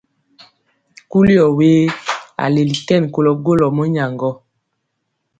Kuli ɔ we? A leli kɛn kolɔ golɔ mɔnyaŋgɔ.